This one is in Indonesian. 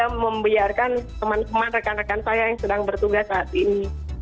saya hanya ingin memberikan kemampuan kepada rekan rekan saya yang sedang bertugas saat ini